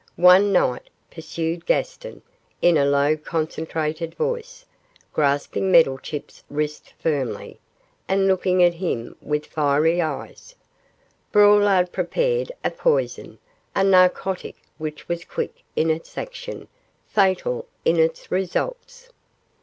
One night,' pursued Gaston, in a low concentrated voice, grasping Meddlechip's wrist firmly, and looking at him with fiery eyes, 'Braulard prepared a poison, a narcotic which was quick in its action, fatal in its results.